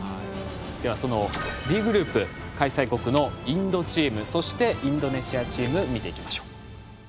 ではそのＤグループ開催国のインドチームそしてインドネシアチーム見ていきましょう。